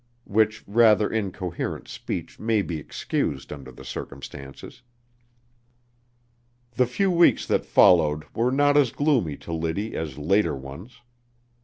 which rather incoherent speech may be excused under the circumstances. The few weeks that followed were not as gloomy to Liddy as later ones.